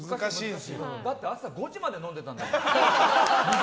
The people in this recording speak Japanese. だって朝５時まで飲んでたんだよ。